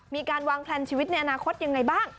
มีการวางแพลนชีวิตในอนาคตยังไงบ้าง